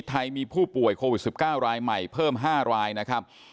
ไทยมีผู้ป่วยโควิด๑๙รายใหม่เพิ่ม๕รายนะครับ